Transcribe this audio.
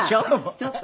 ちょっと！